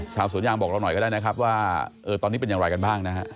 ชาวสวนยางบอกเราหน่อยก็ได้นะครับว่าตอนนี้เป็นอย่างไรกันบ้างนะฮะ